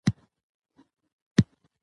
د دې ولايت ځوانان د ښه راتلونکي هيلې لري.